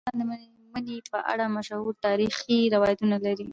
افغانستان د منی په اړه مشهور تاریخی روایتونه لري.